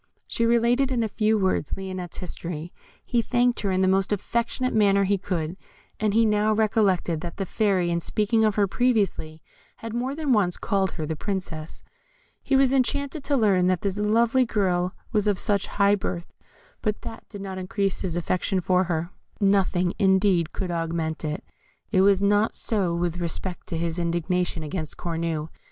She related in a few words Lionette's history. He thanked her in the most affectionate manner he could, and he now recollected that the Fairy, in speaking of her previously, had more than once called her the Princess. He was enchanted to learn that this lovely girl was of such high birth, but that did not increase his affection for her. Nothing, indeed, could augment it. It was not so with respect to his indignation against Cornue.